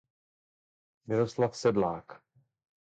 Miroslav Sedlák.